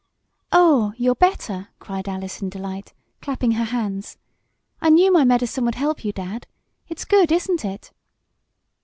"Oh, you're better!" cried Alice in delight, clapping her hands. "I knew my medicine would help you, Dad! It's good; isn't it?"